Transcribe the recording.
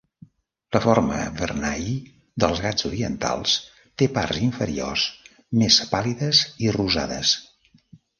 La forma "vernayi" dels Ghats Orientals té parts inferiors més pàl·lides i rosades.